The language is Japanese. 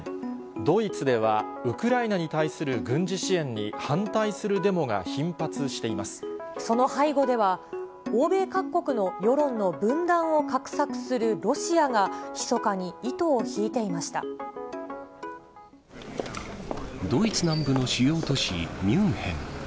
ドイツではウクライナに対する軍事支援に反対するデモが頻発してその背後では、欧米各国の世論の分断を画策するロシアがひそかに糸を引いていまドイツ南部の主要都市ミュンヘン。